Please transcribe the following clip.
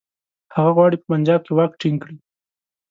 هغه غواړي په پنجاب کې واک ټینګ کړي.